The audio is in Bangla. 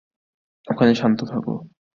ওখানে শান্ত থাকো!